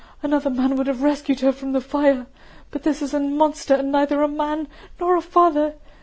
Another man would have rescued her from the fire. But this is a monster and neither a man nor a father!